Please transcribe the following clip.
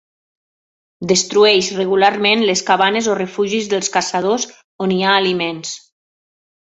Destrueix regularment les cabanes o refugis dels caçadors on hi ha aliments.